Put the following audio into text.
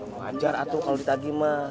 wajar atuh kalo ditagih mah